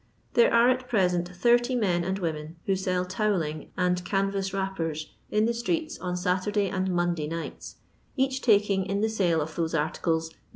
There are at present 80 men and women who sell towelling and can vas wrappers in the streets on Satur day and Monday nights, each taking in the sale of those articles 9#.